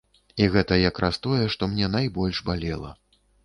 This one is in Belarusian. І гэта якраз тое, што мне найбольш балела.